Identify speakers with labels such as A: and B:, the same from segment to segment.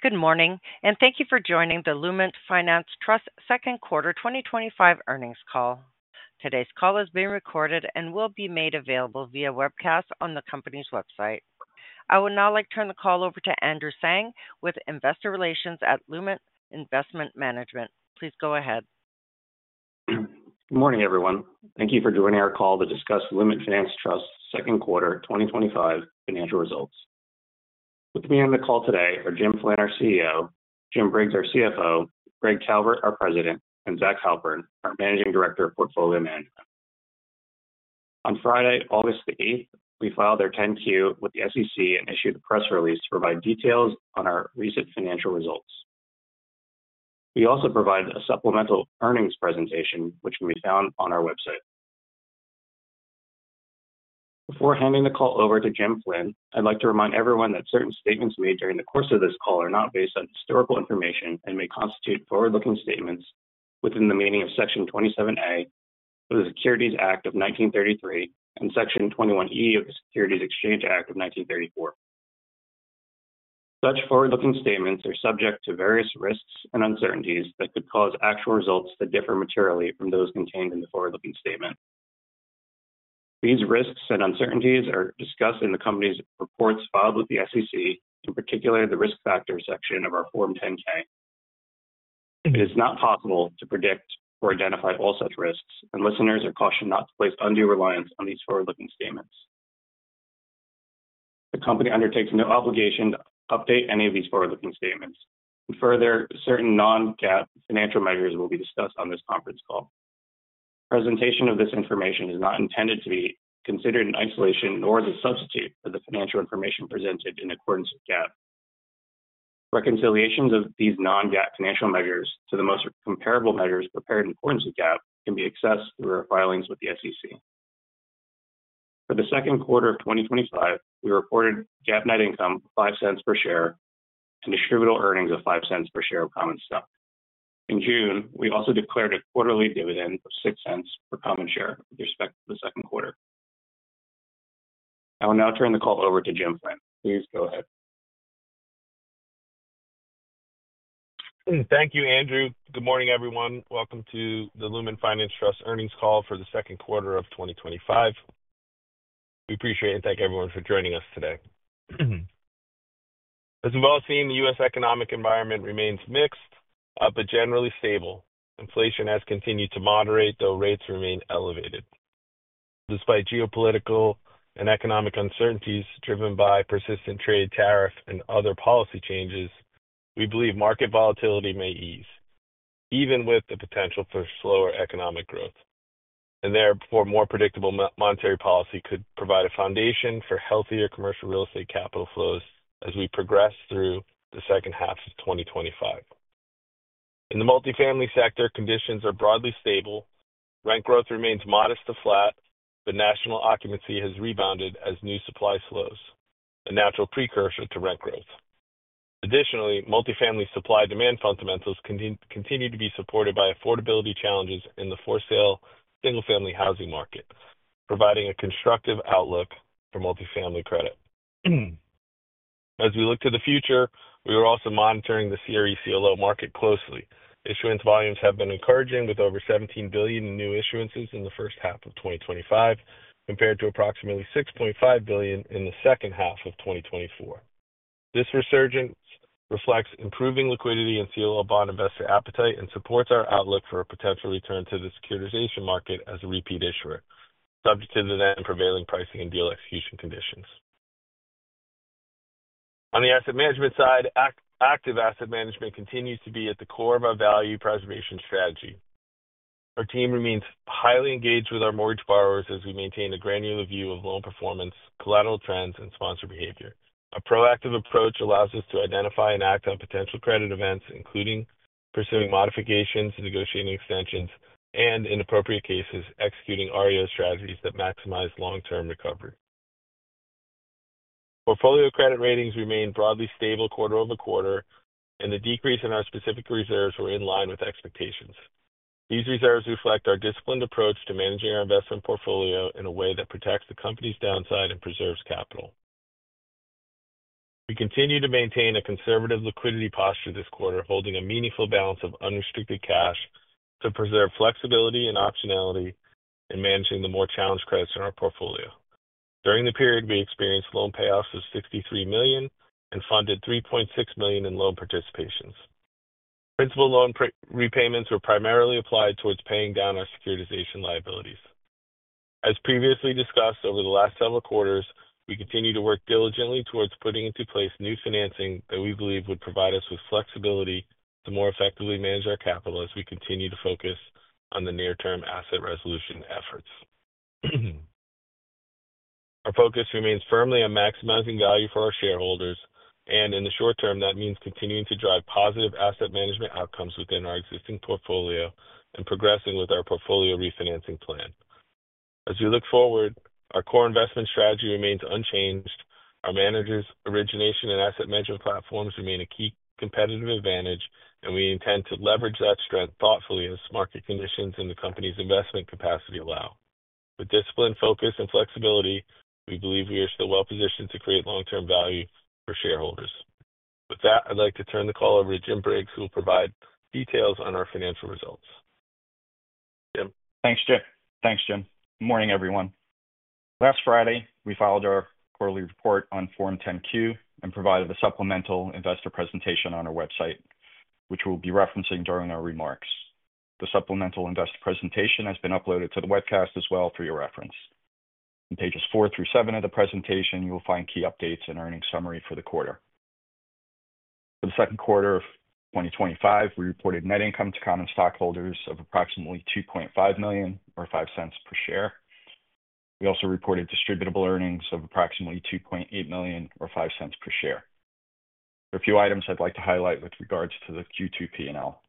A: Good morning and thank you for joining the Lument Finance Trust's Second Quarter 2025 Earnings Call. Today's call is being recorded and will be made available via webcast on the company's website. I would now like to turn the call over to Andrew Tsang with Investor Relations at Lument Investment Management. Please go ahead.
B: Morning, everyone. Thank you for joining our call to discuss Lument Finance Trust's second quarter 2025 financial results. With me on the call today are Jim Flynn, our CEO, Jim Briggs, our CFO, Greg Calvert, our President, and Zach Halpern, our Managing Director of Portfolio Management. On Friday, August 8th, we filed our 10-Q with the SEC and issued a press release to provide details on our recent financial results. We also provided a supplemental earnings presentation, which can be found on our website. Before handing the call over to Jim Flynn, I'd like to remind everyone that certain statements made during the course of this call are not based on historical information and may constitute forward-looking statements within the meaning of Section 27A of the Securities Act of 1933 and Section 21E of the Securities Exchange Act of 1934. Such forward-looking statements are subject to various risks and uncertainties that could cause actual results to differ materially from those contained in the forward-looking statements. These risks and uncertainties are discussed in the company's reports filed with the SEC, in particular the risk factors section of our Form 10-K. It is not possible to predict or identify all such risks, and listeners are cautioned not to place undue reliance on these forward-looking statements. The company undertakes no obligation to update any of these forward-looking statements. Further, certain non-GAAP financial measures will be discussed on this conference call. The presentation of this information is not intended to be considered in isolation nor as a substitute for the financial information presented in accordance with GAAP. Reconciliations of these non-GAAP financial measures to the most comparable measures prepared in accordance with GAAP can be accessed through our filings with the SEC. For the second quarter of 2025, we reported GAAP net income of $0.05 per share and distributable earnings of $0.05 per share of common stock. In June, we also declared a quarterly dividend of $0.06 per common share with respect to the second quarter. I will now turn the call over to Jim Flynn. Please go ahead.
C: Thank you, Andrew. Good morning, everyone. Welcome to the Lument Finance Trust Earnings Call for the Second Quarter of 2025. We appreciate and thank everyone for joining us today. As you've all seen, the U.S. economic environment remains mixed but generally stable. Inflation has continued to moderate, though rates remain elevated. Despite geopolitical and economic uncertainties driven by persistent trade tariffs and other policy changes, we believe market volatility may ease, even with the potential for slower economic growth. Therefore, more predictable monetary policy could provide a foundation for healthier commercial real estate capital flows as we progress through the second half of 2025. In the multifamily sector, conditions are broadly stable. Rent growth remains modest to flat, but national occupancy has rebounded as new supply slows, a natural precursor to rent growth. Additionally, multifamily supply-demand fundamentals continue to be supported by affordability challenges in the for-sale single-family housing market, providing a constructive outlook for multifamily credit. As we look to the future, we are also monitoring the CRE CLO market closely. Issuance volumes have been encouraging, with over $17 billion in new issuances in the first half of 2025, compared to approximately $6.5 billion in the second half of 2024. This resurgence reflects improving liquidity in CLO bond investor appetite and supports our outlook for a potential return to the securitization market as a repeat issuer, subject to the then prevailing pricing and deal execution conditions. On the asset management side, active asset management continues to be at the core of our value preservation strategy. Our team remains highly engaged with our mortgage borrowers as we maintain a granular view of loan performance, collateral trends, and sponsor behavior. A proactive approach allows us to identify and act on potential credit events, including pursuing modifications, negotiating extensions, and in appropriate cases, executing REO strategies that maximize long-term recovery. Portfolio credit ratings remain broadly stable quarter-over-quarter, and the decrease in our specific reserves was in line with expectations. These reserves reflect our disciplined approach to managing our investment portfolio in a way that protects the company's downside and preserves capital. We continue to maintain a conservative liquidity posture this quarter, holding a meaningful balance of unrestricted cash to preserve flexibility and optionality in managing the more challenged credits in our portfolio. During the period, we experienced loan payoffs of $63 million and funded $3.6 million in loan participations. Principal loan repayments were primarily applied towards paying down our securitization liabilities. As previously discussed, over the last several quarters, we continue to work diligently towards putting into place new financing that we believe would provide us with flexibility to more effectively manage our capital as we continue to focus on the near-term asset resolution efforts. Our focus remains firmly on maximizing value for our shareholders, and in the short term, that means continuing to drive positive asset management outcomes within our existing portfolio and progressing with our portfolio refinancing plan. As we look forward, our core investment strategy remains unchanged. Our managers, origination, and asset management platforms remain a key competitive advantage, and we intend to leverage that strength thoughtfully as market conditions and the company's investment capacity allow. With discipline, focus, and flexibility, we believe we are still well-positioned to create long-term value for shareholders. With that, I'd like to turn the call over to Jim Briggs, who will provide details on our financial results.
D: Thanks, Jim. Good morning, everyone. Last Friday, we filed our quarterly report on Form 10-Q and provided a supplemental investor presentation on our website, which we will be referencing during our remarks. The supplemental investor presentation has been uploaded to the webcast as well for your reference. In pages 4 through 7 of the presentation, you will find key updates and earnings summary for the quarter. For the second quarter of 2025, we reported net income to common stockholders of approximately $2.5 million or $0.05 per share. We also reported distributable earnings of approximately $2.8 million or $0.05 per share. There are a few items I'd like to highlight with regards to the Q2 P&L.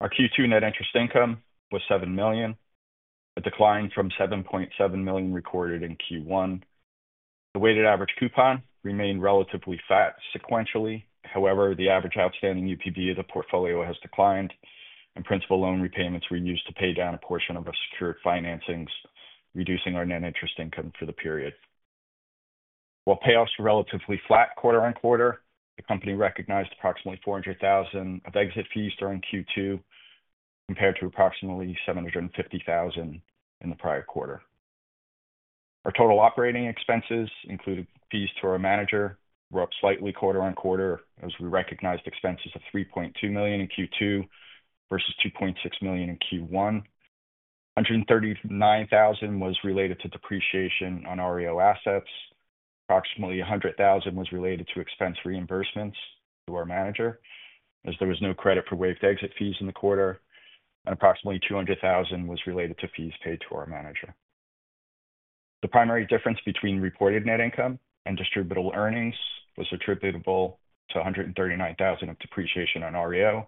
D: Our Q2 net interest income was $7 million, a decline from $7.7 million recorded in Q1. The weighted average coupon remained relatively flat sequentially, however, the average outstanding UPB of the portfolio has declined, and principal loan repayments were used to pay down a portion of our secured financings, reducing our net interest income for the period. While payoffs were relatively flat quarter on quarter, the company recognized approximately $400,000 of exit fees during Q2 compared to approximately $750,000 in the prior quarter. Our total operating expenses, including fees to our manager, were up slightly quarter on quarter as we recognized expenses of $3.2 million in Q2 versus $2.6 million in Q1. $139,000 was related to depreciation on REO assets. Approximately $100,000 was related to expense reimbursements to our manager, as there was no credit for waived exit fees in the quarter, and approximately $200,000 was related to fees paid to our manager. The primary difference between reported net income and distributable earnings was attributable to $139,000 of depreciation on REO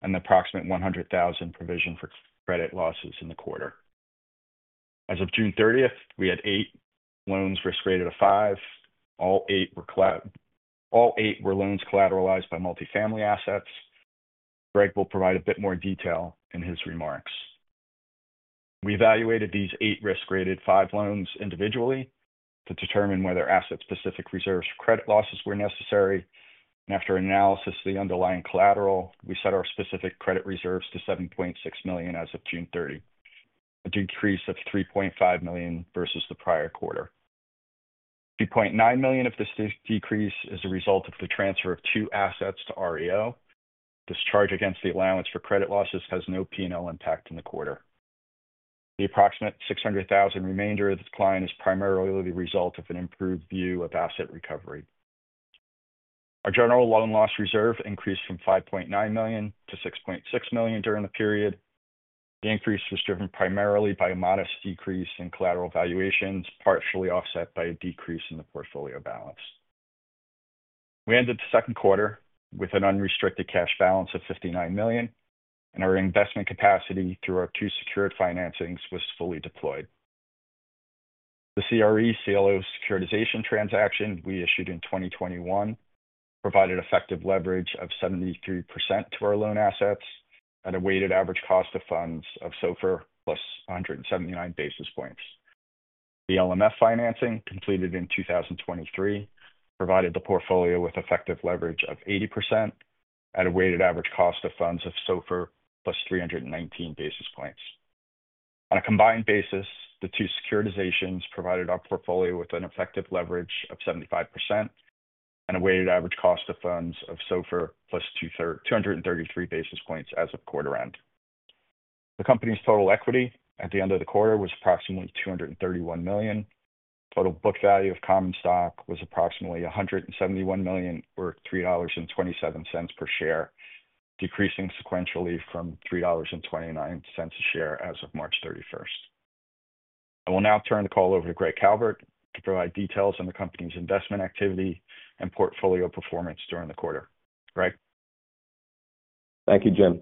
D: and the approximate $100,000 provision for credit losses in the quarter. As of June 30th, we had eight loans risk rated a five. All eight were loans collateralized by multifamily assets. Greg will provide a bit more detail in his remarks. We evaluated these eight risk rated five loans individually to determine whether asset-specific reserves for credit losses were necessary, and after analysis of the underlying collateral, we set our specific credit reserves to $7.6 million as of June 30, a decrease of $3.5 million versus the prior quarter. $2.9 million of this decrease is a result of the transfer of two assets to REO. This charge against the allowance for credit losses has no P&L impact in the quarter. The approximate $600,000 remainder of the decline is primarily the result of an improved view of asset recovery. Our general loan loss reserve increased from $5.9 million to $6.6 million during the period. The increase was driven primarily by a modest decrease in collateral valuations, partially offset by a decrease in the portfolio balance. We ended the second quarter with an unrestricted cash balance of $59 million, and our investment capacity through our two secured financings was fully deployed. The CRE CLO securitization transaction we issued in 2021 provided effective leverage of 73% to our loan assets at a weighted average cost of funds of SOFR +179 basis points. The LMF23-1 secured financing vehicle completed in 2023 provided the portfolio with effective leverage of 80% at a weighted average cost of funds of SOFR +319 basis points. On a combined basis, the two securitizations provided our portfolio with an effective leverage of 75% and a weighted average cost of funds of SOFR +233 basis points as of quarter end. The company's total equity at the end of the quarter was approximately $231 million. Total book value of common stock was approximately $171 million or $3.27 per share, decreasing sequentially from $3.29 a share as of March 31st. I will now turn the call over to Greg Calvert to provide details on the company's investment activity and portfolio performance during the quarter. Greg?
E: Thank you, Jim.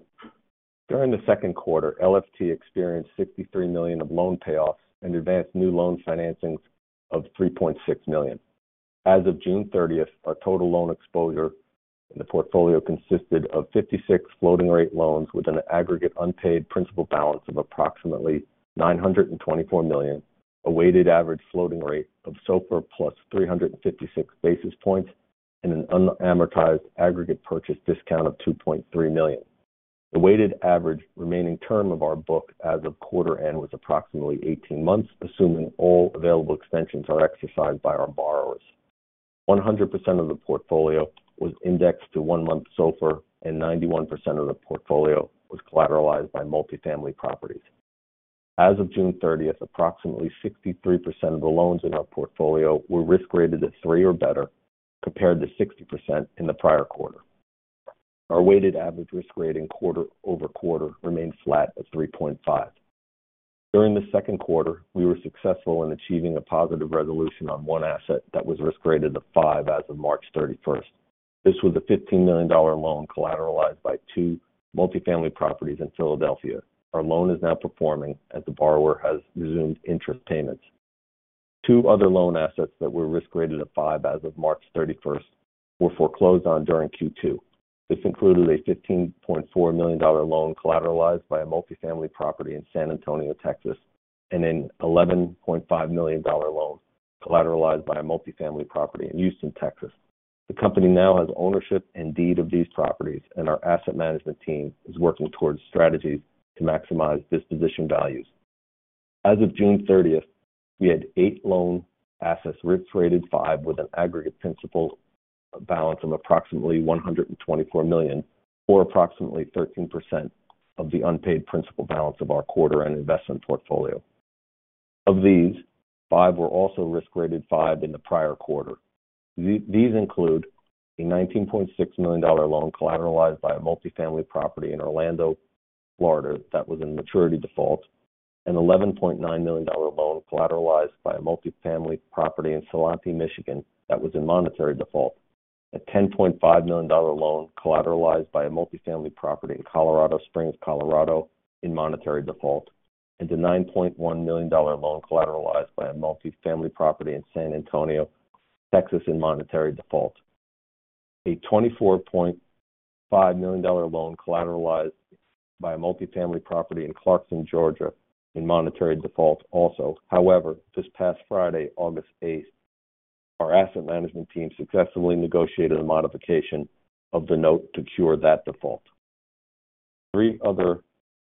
E: During the second quarter, LFT experienced $63 million of loan payoffs and advanced new loan financings of $3.6 million. As of June 30th, our total loan exposure in the portfolio consisted of 56 floating rate loans with an aggregate unpaid principal balance of approximately $924 million, a weighted average floating rate of SOFR +356 basis points, and an unamortized aggregate purchase discount of $2.3 million. The weighted average remaining term of our book as of quarter end was approximately 18 months, assuming all available extensions are exercised by our borrowers. 100% of the portfolio was indexed to one-month SOFR, and 91% of the portfolio was collateralized by multifamily properties. As of June 30th, approximately 63% of the loans in our portfolio were risk rated a three or better, compared to 60% in the prior quarter. Our weighted average risk rating quarter-over-quarter remained flat at 3.5. During the second quarter, we were successful in achieving a positive resolution on one asset that was risk rated a five as of March 31st. This was a $15 million loan collateralized by two multifamily properties in Philadelphia. Our loan is now performing as the borrower has resumed interest payments. Two other loan assets that were risk rated a five as of March 31st were foreclosed on during Q2. This included a $15.4 million loan collateralized by a multifamily property in San Antonio, Texas, and an $11.5 million loan collateralized by a multifamily property in Houston, Texas. The company now has ownership and deed of these properties, and our asset management team is working towards strategies to maximize disposition values. As of June 30th, we had eight loan assets risk rated five with an aggregate principal balance of approximately $124 million or approximately 13% of the unpaid principal balance of our quarter-end investment portfolio. Of these, five were also risk rated five in the prior quarter. These include a $19.6 million loan collateralized by a multifamily property in Orlando, Florida, that was in maturity default, an $11.9 million loan collateralized by a multifamily property in Ypsilanti, Michigan, that was in monetary default, a $10.5 million loan collateralized by a multifamily property in Colorado Springs, Colorado, in monetary default, and a $9.1 million loan collateralized by a multifamily property in San Antonio, Texas, in monetary default. A $24.5 million loan collateralized by a multifamily property in Clarkson, Georgia, in monetary default also. However, this past Friday, August 8th, our asset management team successfully negotiated a modification of the note to cure that default. Three other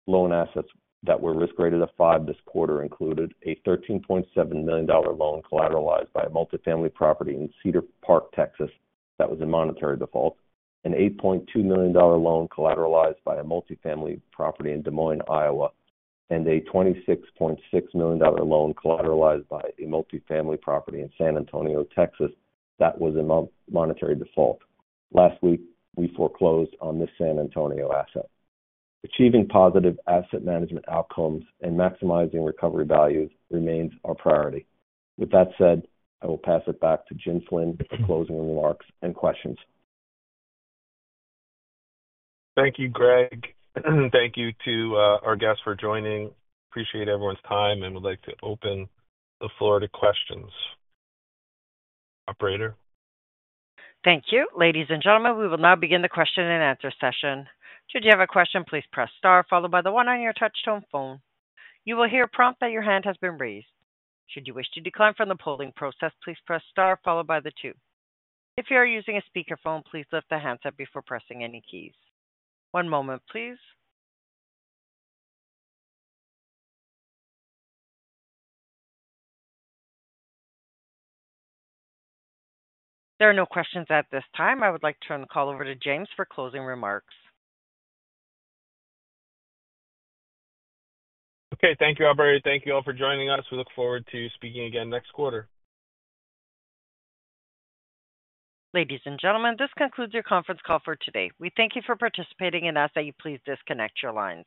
E: loan assets that were risk rated a five this quarter included a $13.7 million loan collateralized by a multifamily property in Cedar Park, Texas, that was in monetary default, an $8.2 million loan collateralized by a multifamily property in Des Moines, Iowa, and a $26.6 million loan collateralized by a multifamily property in San Antonio, Texas, that was in monetary default. Last week, we foreclosed on this San Antonio asset. Achieving positive asset management outcomes and maximizing recovery values remains our priority. With that said, I will pass it back to Jim Flynn for closing remarks and questions.
C: Thank you, Greg. Thank you to our guests for joining. Appreciate everyone's time and would like to open the floor to questions. Operator?
A: Thank you. Ladies and gentlemen, we will now begin the question and answer session. Should you have a question, please press star followed by the one on your touch-tone phone. You will hear a prompt that your hand has been raised. Should you wish to decline from the polling process, please press star followed by the two. If you are using a speakerphone, please lift the handset before pressing any keys. One moment, please. There are no questions at this time. I would like to turn the call over to James for closing remarks.
C: Okay. Thank you, operator. Thank you all for joining us. We look forward to speaking again next quarter.
A: Ladies and gentlemen, this concludes your conference call for today. We thank you for participating and ask that you please disconnect your lines.